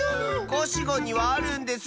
コシゴンにはあるんです！